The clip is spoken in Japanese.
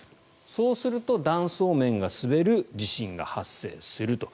そうすると、断層面が滑る地震が発生すると。